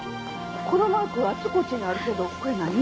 このマークあちこちにあるけどこれ何？